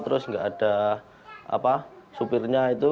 terus nggak ada supirnya itu